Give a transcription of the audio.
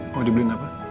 mau dibeliin apa